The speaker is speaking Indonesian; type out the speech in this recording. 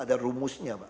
ada rumusnya mbak